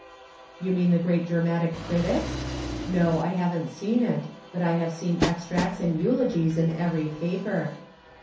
"You mean the great dramatic critic's? No, I haven't seen it, but I have seen extracts and eulogies in every paper."